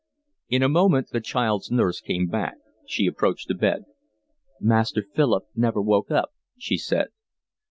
In a moment the child's nurse came back. She approached the bed. "Master Philip never woke up," she said.